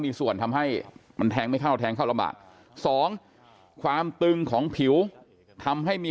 มีส่วนทำให้มันแทงไม่เข้าแทงเข้าลำบากสองความตึงของผิวทำให้มี